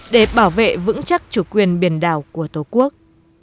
để bảo vệ vững chắc chủ quyền biển đảo của tổ quốc